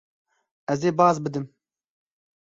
Ez ê baz bidim.